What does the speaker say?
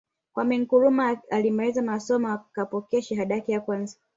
Kwame Nkrumah alimaliza masomo akapokea shahada yake ya kwanza